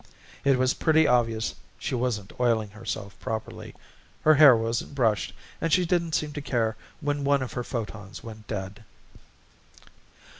It was pretty obvious she wasn't oiling herself properly, her hair wasn't brushed and she didn't seem to care when one of her photons went dead.